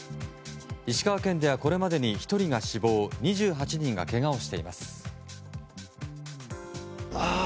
石川県ではこれまでに１人が死亡２８人がけがをしています。